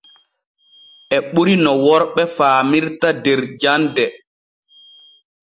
E ɓuri no worɓe faamirta der jande.